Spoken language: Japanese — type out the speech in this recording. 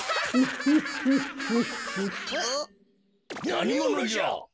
なにものじゃ？